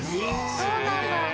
そうなんだ。